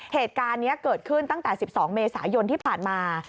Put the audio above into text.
เหตุการณ์นี้เกิดขึ้นตั้งแต่๑๒เมษายนที่ผ่านมา